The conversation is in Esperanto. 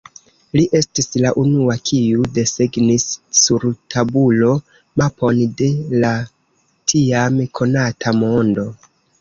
Li estis la unua, kiu desegnis sur tabulo mapon de la tiam konata mondo.